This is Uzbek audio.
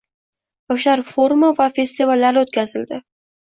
Yoshlar forumi va festivallari o'tkazildi